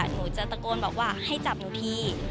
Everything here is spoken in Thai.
หนูจะตะโกนบอกว่าให้จับหนูที